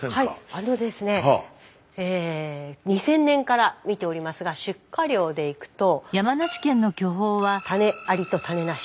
あのですね２０００年から見ておりますが出荷量でいくと種ありと種なし。